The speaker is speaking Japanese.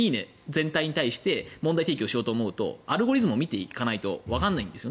全体に対して問題提起をしようと思うとアルゴリズムを見ていかないとわからないんです。